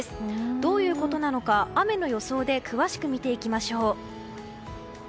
どういうことなのか、雨の予想で詳しく見ていきましょう。